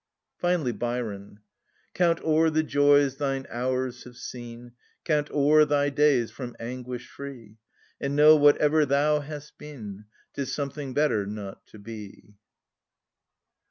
Finally, Byron:— "Count o'er the joys thine hours have seen, Count o'er thy days from anguish free, And know, whatever thou hast been, 'Tis something better not to be."